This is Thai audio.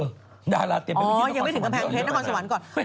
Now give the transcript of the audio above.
อ๋อเหมือนไม่ถึงกำแพงเพชรนครสวรรค์ก่อน